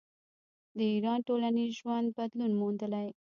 د ایران ټولنیز ژوند بدلون موندلی.